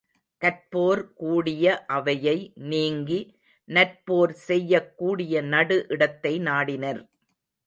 கற்போர் கூடிய அவையை நீங்கி நற்போர் செய்யக் கூடிய நடு இடத்தை நாடினர்.